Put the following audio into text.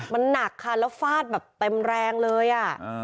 มันหนักค่ะแล้วฟาดแบบเต็มแรงเลยอ่ะ